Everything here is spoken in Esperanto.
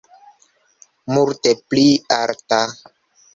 Multe pli alta.